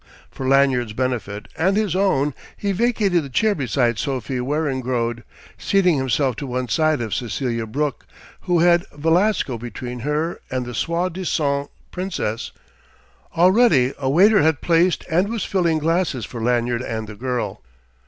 For Lanyard's benefit and his own he vacated the chair beside Sophie Weringrode, seating himself to one side of Cecelia Brooke, who had Velasco between her and the soi disant princess. Already a waiter had placed and was filling glasses for Lanyard and the girl.